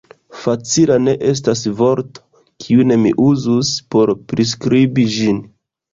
Facila ne estas vorto, kiun mi uzus, por priskribi ĝin.